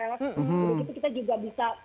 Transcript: gitu gitu kita juga bisa